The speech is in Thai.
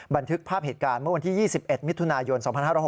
บันทึกภาพเหตุการณ์เมื่อวันที่๒๑มิถุนายน๒๕๖๖